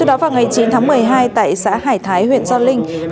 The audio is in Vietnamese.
đó vào ngày chín tháng một mươi hai tại xã hải thái huyện gio linh